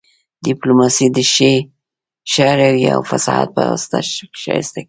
ډیپلوماسي د ښه رويې او فصاحت په واسطه ښایسته کیږي